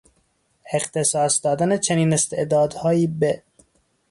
اختصاص دادن چنین استعدادهایی به...